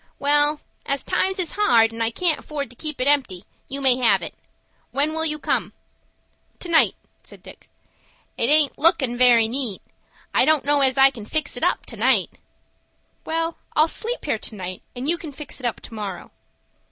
"Well, as times is hard, and I can't afford to keep it empty, you may have it. When will you come?" "To night," said Dick. "It aint lookin' very neat. I don't know as I can fix it up to night." "Well, I'll sleep here to night, and you can fix it up to morrow."